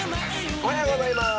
おはようございます。